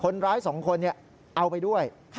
คนร้าย๒คนเอาไปด้วย